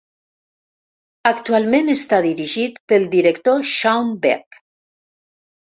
Actualment està dirigit pel director Shawn Beck.